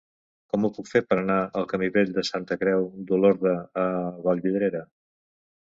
Com ho puc fer per anar al camí Vell de Santa Creu d'Olorda a Vallvidrera?